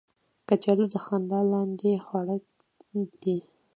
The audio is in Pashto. کچالو د خندا لاندې خواړه دي